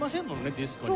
ディスコに。